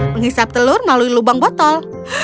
menghisap telur melalui lubang botol